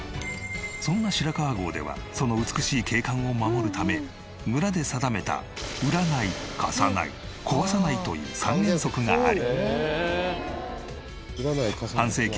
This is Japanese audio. そんな白川郷ではその美しい景観を守るため村で定めた売らない貸さない壊さないという３原則があり。